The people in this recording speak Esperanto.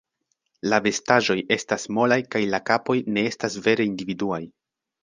La vestaĵoj estas molaj kaj la kapoj ne estas vere individuaj.